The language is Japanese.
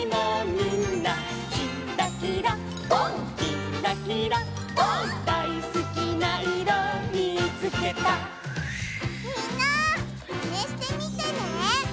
みんなマネしてみてね！